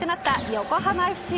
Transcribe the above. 横浜ＦＣ